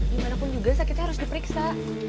dimanapun juga sakitnya harus diperiksa